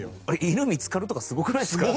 犬見付かるとかすごくないですか？